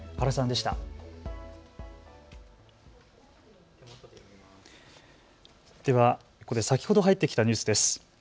ではここで先ほど入ってきたニュースです。